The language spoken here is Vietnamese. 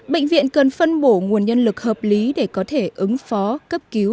bệnh viện cần phân bổ nguồn nhân lực hợp lý để có thể ứng phó cấp cứu